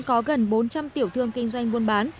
có gần bốn trăm linh tiểu thương kinh doanh buôn bán